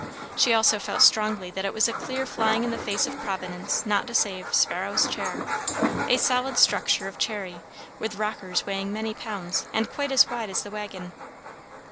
She also felt strongly that it was a clear flying in the face of Providence not to save "Sparrow's chair," a solid structure of cherry, with rockers weighing many pounds, and quite as wide as the wagon.